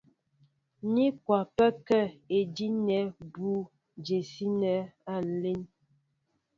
Ní kwapɛ́kɛ́ idí' nɛ́ mbʉ́ʉ́ jə́síní a lɛ́n.